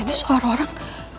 itu suara orang